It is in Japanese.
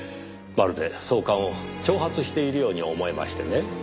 まるで総監を挑発しているように思えましてね。